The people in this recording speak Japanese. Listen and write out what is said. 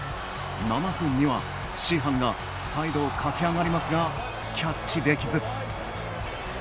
７分には、シーハンがサイドを駆け上がりますがキャッチできず。